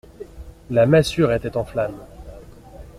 La masure était en flammes.